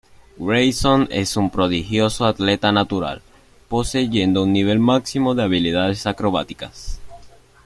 Grayson es un prodigioso atleta natural, poseyendo un nivel máximo de habilidades acrobáticas.